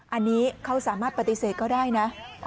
อันนี้เขาสามารถปฏิเสธก็ได้นะ